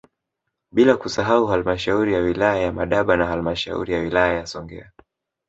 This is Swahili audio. Bila kusahau halmashauri ya wilaya ya Madaba na halmashauri ya wilaya ya Songea